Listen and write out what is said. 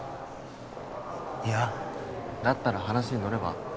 いやだったら話に乗れば？